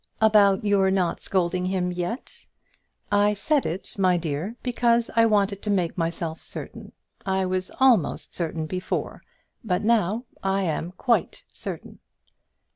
"About your not scolding him yet? I said it, my dear, because I wanted to make myself certain. I was almost certain before, but now I am quite certain."